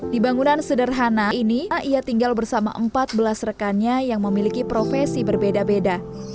di bangunan sederhana ini ia tinggal bersama empat belas rekannya yang memiliki profesi berbeda beda